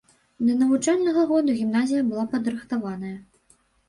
Да навучальнага году гімназія была падрыхтаваная.